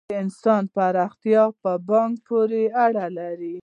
د اسلامي پراختیا بانک پور ورکوي؟